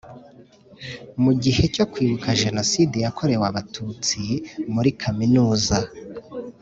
Mu gihe cyo Kwibuka Jenoside yakorewe Abatutsi muri kaminuza